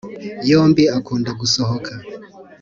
yombi akunda gusohoka.